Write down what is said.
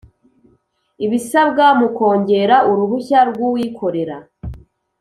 ibisabwa mu kongera uruhushya rw’uwikorera